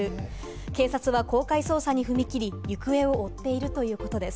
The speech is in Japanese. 警察は公開捜査に踏み切り、行方を追っているということです。